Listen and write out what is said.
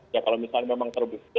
ya kalau misalnya memang terbukti